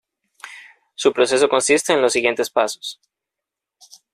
Su proceso consiste en los siguientes pasos.